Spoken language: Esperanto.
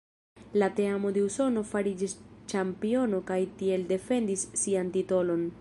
La teamo de Usono fariĝis ĉampiono kaj tiel defendis sian titolon.